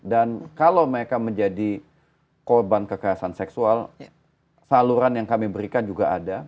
dan kalau mereka menjadi korban kekerasan seksual saluran yang kami berikan juga ada